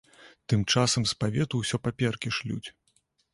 Тым часам з павету ўсё паперкі шлюць.